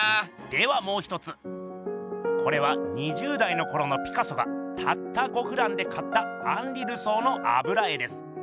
ではもう一つこれは２０代のころのピカソがたった５フランで買ったアンリ・ルソーのあぶら絵です。